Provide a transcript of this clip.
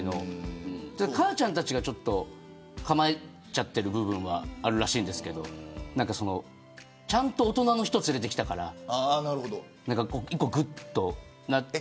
ただ母ちゃんたちがちょっと構えちゃっている部分があるらしいんですけれどちゃんと大人の人を連れてきたから一個ぐっとなって。